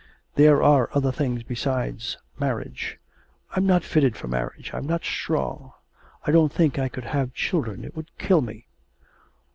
There are other things besides marriage.... I'm not fitted for marriage. I'm not strong. I don't think I could have children. It would kill me.'